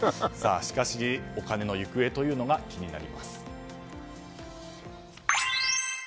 しかしお金の行方が気になります。